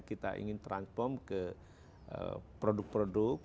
kita ingin transform ke produk produk